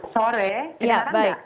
sore sedangkan enggak